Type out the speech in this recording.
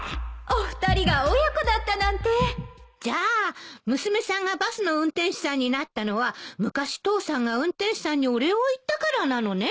お二人が親子だったなんてじゃあ娘さんがバスの運転手さんになったのは昔父さんが運転手さんにお礼を言ったからなのね。